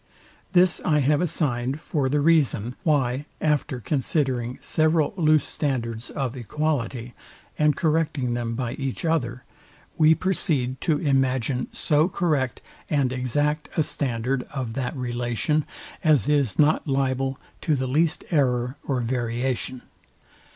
This I have assigned for the reason, why, after considering several loose standards of equality, and correcting them by each other, we proceed to imagine so correct and exact a standard of that relation, as is not liable to the least error or variation.